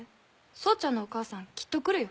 草ちゃんのお母さんきっと来るよ。